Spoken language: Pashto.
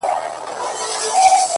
o د کندهار ماځيگره، ستا خبر نه راځي،